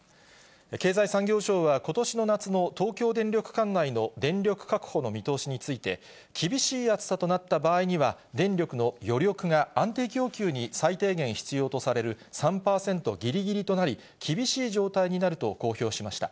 経済産業省は、ことしの夏の東京電力管内の電力確保の見通しについて、厳しい暑さとなった場合には、電力の余力が安定供給に最低限必要とされる３％ぎりぎりとなり、厳しい状態になると公表しました。